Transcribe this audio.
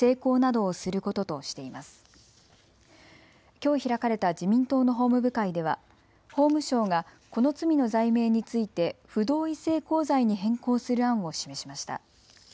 きょう開かれた自民党の法務部会では法務省がこの罪の罪名について不同意性交罪に変更する案を示しました。